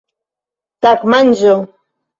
tagmanĝo